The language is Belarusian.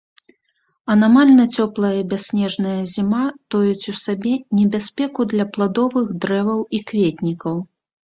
Анамальна цёплая і бясснежная зіма тоіць у сабе небяспеку для пладовых дрэваў і кветнікаў.